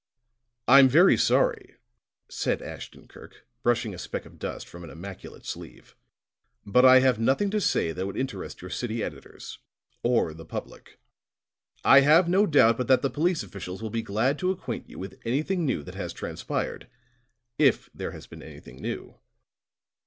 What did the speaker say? "I'm very sorry," said Ashton Kirk, brushing a speck of dust from an immaculate sleeve, "but I have nothing to say that would interest your city editors, or the public. I have no doubt but that the police officials will be glad to acquaint you with anything new that has transpired if there has been anything new."